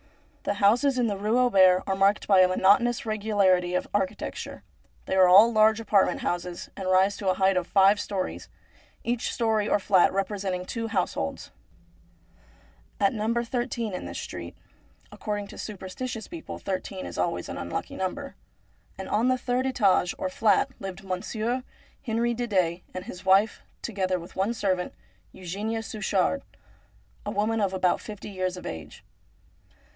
The houses in the Rue Auber are marked by a monotonous regularity of architecture. They are all large apartment houses and rise to a height of five storeys, each storey or fiat representing two households. At No. 13 in this street — according to super stitious people thirteen is always an unlucky number — and on the third etage or flat lived Monsieur Henri Didet and his wife, together with one servant, Eugenia Suchard, a woman about fifty years of age.